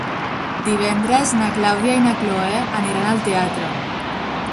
Divendres na Clàudia i na Cloè aniran al teatre.